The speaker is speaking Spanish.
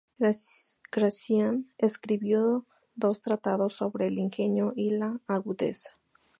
Gracián escribió dos tratados sobre el ingenio y la agudeza.